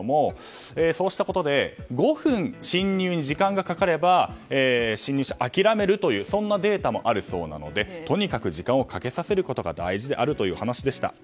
そうしたことで５分侵入に時間がかかれば侵入者は諦めるというデータもあるそうなのでとにかく時間をかけさせることが大事であるというお話でした。